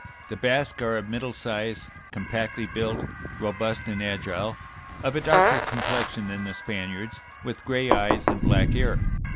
The Basque are "of middle size, compactly built, robust and agile, of a darker complexion than the Spaniards, with gray eyes and black hair.